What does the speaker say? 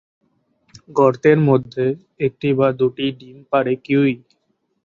গর্তের মধ্যে একটি বা দুটি ডিম পাড়ে কিউই।